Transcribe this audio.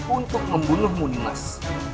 untuk membunuhmu nimas